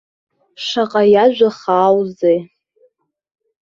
Шаҟа иажәа хааузеи!